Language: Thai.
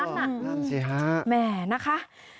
นั่นสิฮะแหม่นะคะ